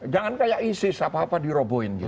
jangan kayak isis apa apa diroboin gitu